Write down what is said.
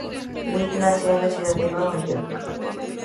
Wild nació en la ciudad de Nueva York.